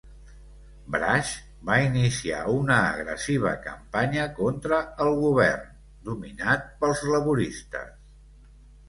Brash va iniciar una agressiva campanya contra el govern, dominat pels laboristes.